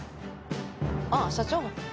ああ社長。